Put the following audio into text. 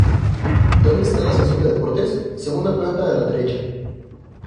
¿Dónde esta la sección de deportes? segunda planta a la derecha